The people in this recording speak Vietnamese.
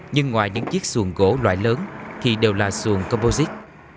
nhưng ngoài những chiếc xuồng gỗ loại lớn thì đều là xuồng composite